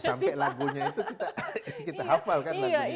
sampai lagunya itu kita hafal kan lagunya itu